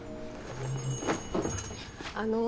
あの。